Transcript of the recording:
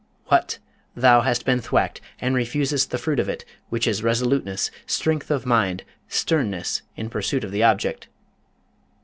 What! thou hast been thwacked, and refusest the fruit of it which is resoluteness, strength of mind, sternness in pursuit of the object!'